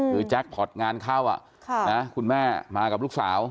คือแจ๊กพอร์ตงานเข้าอ่ะค่ะนะคุณแม่มากับลูกสาว